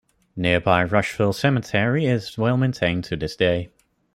Nearby Rushville Cemetery is well maintained to this day.